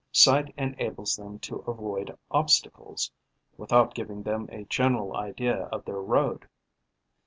Sight enables them to avoid obstacles, without giving them a general idea of their road.